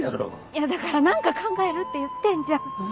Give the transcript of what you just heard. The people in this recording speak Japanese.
いやだから何か考えるって言ってんじゃん。